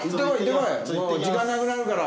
もう時間なくなるから。